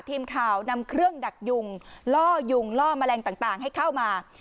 ทีมข่าวนำเครื่องดักยุงล่อยุงล่อแมลงต่างให้เข้ามา